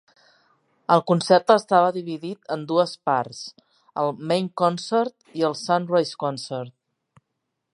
El concert estava dividit en dues parts: el "Main Concert" i el "Sunrise Concert".